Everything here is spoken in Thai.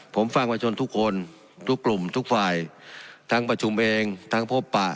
ผมฟังประชนทุกคนทุกกลุ่มทุกฝ่ายทั้งประชุมเองทั้งพบปะ